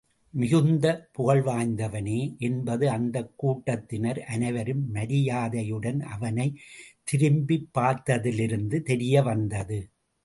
மிகுந்த புகழ்வாய்ந்தவனே என்பது அந்தக் கூட்டத்தினர் அனைவரும் மரியாதையுடன் அவனைத் திரும்பிப் பார்த்ததிலிருந்து தெரிய வந்தது.